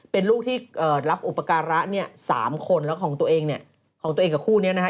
เป็นลูกที่รับอุปการะเนี่ย๓คนแล้วของตัวเองเนี่ยของตัวเองกับคู่นี้นะฮะ